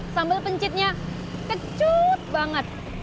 sambal pencitnya kecut banget